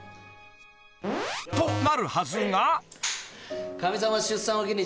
［となるはずが］